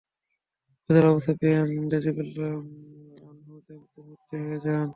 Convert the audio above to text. হযরত আবু সুফিয়ান রাযিয়াল্লাহু আনহু জ্যান্ত মূর্তি হয়ে যান।